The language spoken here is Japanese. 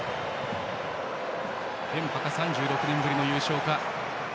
連覇か３６年ぶりの優勝か。